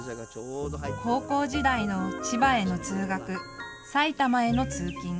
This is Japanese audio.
高校時代の千葉への通学、埼玉への通勤。